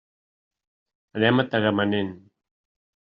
Anem a Tagamanent.